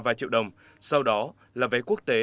vài triệu đồng sau đó là vé quốc tế